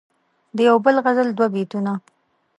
دیو بل غزل دوه بیتونه دي..